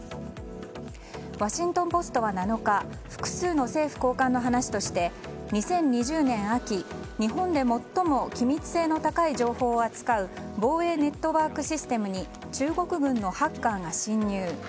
ワシントン・ポストは７日複数の政府高官の話として２０２０年秋、日本で最も機密性の高い情報を扱う防衛ネットワークシステムに中国軍のハッカーが侵入。